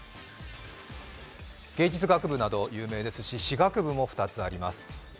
芸術学部など有名ですし歯学部なども２つあります。